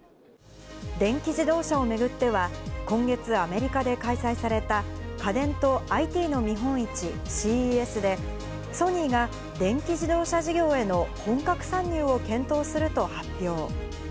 電気自動車を巡っては、今月、アメリカで開催された、家電とＩＴの見本市、ＣＥＳで、ソニーが電気自動車事業への本格参入を検討すると発表。